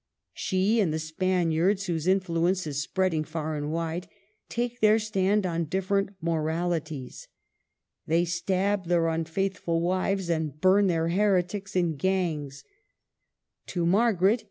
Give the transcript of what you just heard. She and the Spaniards, whose influence is spread ing far and wide, take their stand on different moralities. They stab their unfaithful wives and burn their heretics in gangs. To Margaret 250 MARGARET OF ANGOUL^ME.